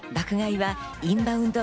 爆買いはインバウンド